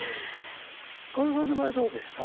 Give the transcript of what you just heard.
かおるさんの場合どうでした？